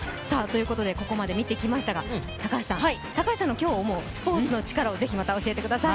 ここまで見てきましたが、高橋さんの今日思うスポーツのチカラをぜひ教えてください。